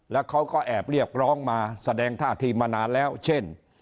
แล้วเขาก็แอบเรียกร้องมาแสดงท่าทีมานานแล้วเช่น